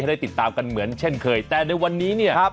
ได้ติดตามกันเหมือนเช่นเคยแต่ในวันนี้เนี่ย